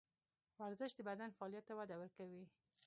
ورزش د بدن فعالیت ته وده ورکوي.